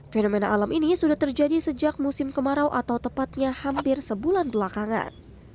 fenomena alam ini sudah terjadi sejak musim kemarau atau tepatnya hampir sebulan belakangan